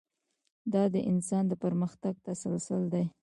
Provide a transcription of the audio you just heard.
دا د انسان د پرمختګ تسلسل دی.